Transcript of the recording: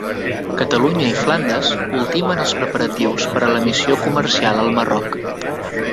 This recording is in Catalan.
Catalunya i Flandes ultimen els preparatius per a la missió comercial al Marroc